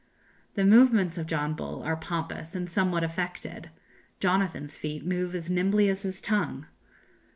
"The movements of John Bull are pompous, and somewhat affected; Jonathan's feet move as nimbly as his tongue.